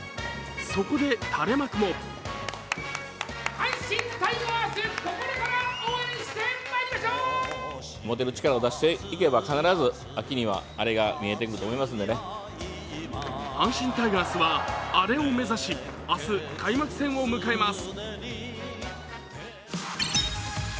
そこで垂れ幕も阪神タイガースは「Ａ．Ｒ．Ｅ」を目指し明日、開幕戦を迎えます。